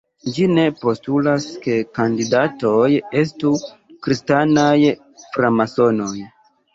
Ĝi "ne" postulas ke kandidatoj estu kristanaj framasonoj.